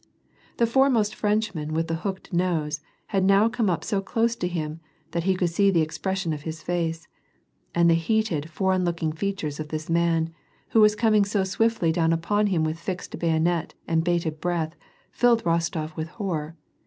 The foremost Frenchman with the hooked nose, had now come up so close to him, that he could j te the expn?^sion of his face. And the heated foreign looking features of thi.s nu.n, who was coming so swiftly down upon him with fixed bayonet and Ijated breath, filled Rostof with horror.